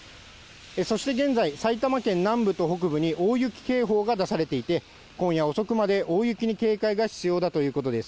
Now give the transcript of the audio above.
そして現在、埼玉県南部と北部に大雪警報が出されていて、今夜遅くまで大雪に警戒が必要だということです。